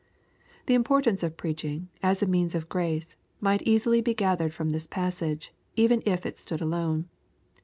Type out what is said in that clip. The importance of preaobingfas a means of grace, might easily be gathered from this passage, even if it stood alone.